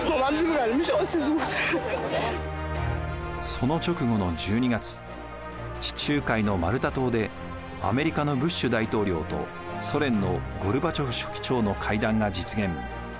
その直後の１２月地中海のマルタ島でアメリカのブッシュ大統領とソ連のゴルバチョフ書記長の会談が実現。